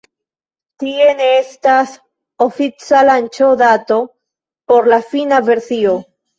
Tie ne estas ofica lanĉo-dato por la fina versio.